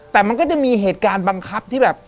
แต่มันก็จะมีเหตุการณ์บังคับที่แบบ